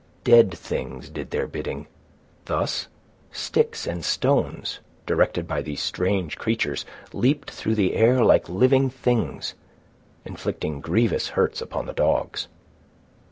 Dead things did their bidding. Thus, sticks and stones, directed by these strange creatures, leaped through the air like living things, inflicting grievous hurts upon the dogs.